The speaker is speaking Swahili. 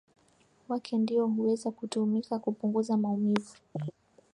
wake ndio huweza kutumika kupunguza maumivu